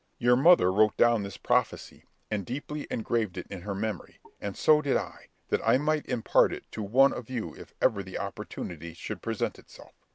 "Your mother wrote down this prophecy, and deeply engraved it in her memory, and so did I, that I might impart it to one of you if ever the opportunity should present itself.